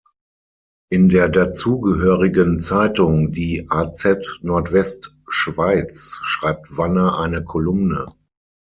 In der dazugehörigen Zeitung die "az Nordwestschweiz" schreibt Wanner eine Kolumne.